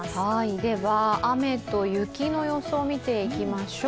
では雨と雪の予想見ていきましょう。